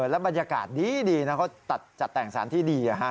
แล้วบรรยากาศดีนะเขาจัดแต่งสารที่ดี